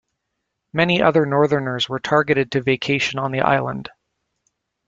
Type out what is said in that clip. Many other Northerners were targeted to vacation on the island.